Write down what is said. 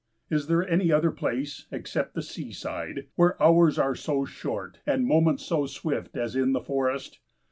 Is there any other place, except the seaside, where hours are so short and moments so swift as in the forest?